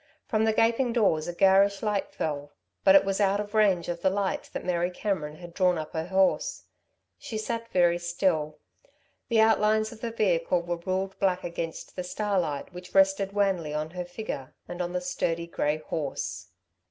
From the gaping doors a garish light fell. But it was out of range of the light that Mary Cameron had drawn up her horse. She sat very still. The outlines of the vehicle were ruled black against the starlight which rested wanly on her figure and on the sturdy, grey horse.